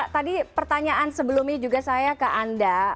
tadi pertanyaan sebelumnya juga saya ke anda